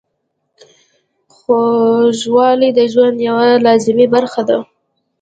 خوږوالی د ژوند یوه لازمي برخه ده.